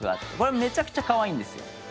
めちゃくちゃカワイイんですよ。